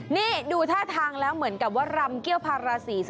นี่ดูท่าทางแล้วเหมือนกับว่ารำเกี้ยวพาราศีสิ